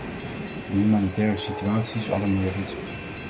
De humanitaire situatie is alarmerend.